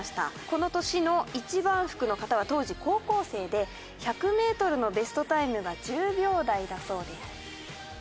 この年の一番福の方は当時高校生で１００メートルのベストタイムが１０秒台だそうです。